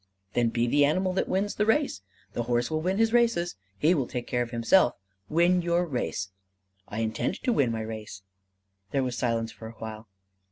"Then be the animal that wins the race! The horse will win his races: he will take care of himself: win your race." "I intend to win my race." There was silence for a while.